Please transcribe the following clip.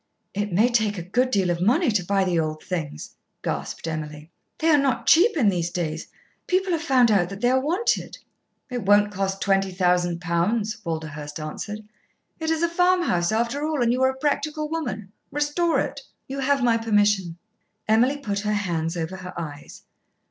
"It may take a good deal of money to buy the old things," gasped Emily. "They are not cheap in these days. People have found out that they are wanted." "It won't cost twenty thousand pounds," Walderhurst answered. "It is a farm house after all, and you are a practical woman. Restore it. You have my permission." Emily put her hands over her eyes.